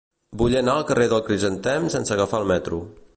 Vull anar al carrer del Crisantem sense agafar el metro.